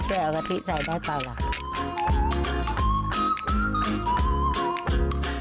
จะเอากะทิใส่ได้ไปหรือ